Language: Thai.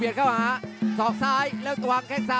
แล้วก็อยู่แก่พลังบน